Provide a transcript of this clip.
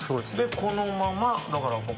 このままだから。